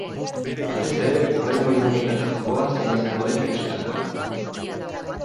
Batez ere, hurrengo immunitate jokoa zein izango den ikusitakoan.